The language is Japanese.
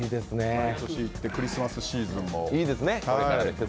毎年、行ってクリスマスシーズンも。